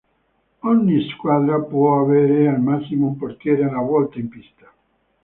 Ogni squadra può avere al massimo un portiere alla volta in pista.